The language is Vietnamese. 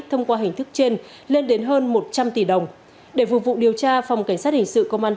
thông qua hình thức trên lên đến hơn một trăm linh tỷ đồng để phục vụ điều tra phòng cảnh sát hình sự công an